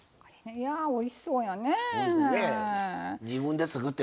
いやおいしそうですよ。